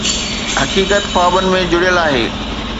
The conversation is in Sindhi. حقيقت خوابن ۾ جڙيل آهي